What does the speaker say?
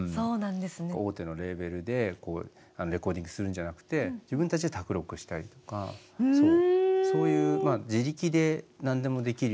大手のレーベルでレコーディングするんじゃなくて自分たちで宅録したりとかそういう自力で何でもできるような。